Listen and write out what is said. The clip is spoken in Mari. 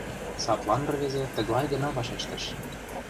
Садлан рвезе тыглай гына вашештыш: